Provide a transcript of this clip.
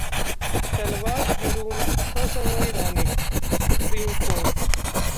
सलवा जुडूम असंवैधानिक: supreme court